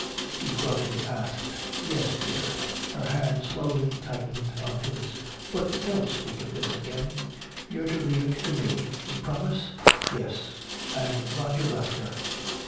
he gruffly asked. "Yes, dear." Her hands slowly tightened on his. "But don't speak of this again. You're to leave it to me. You promise?" "Yes." And Roger left her.